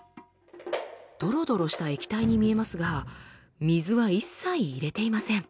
ドロドロした液体に見えますが水は一切入れていません。